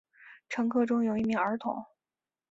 乘客中有一名儿童。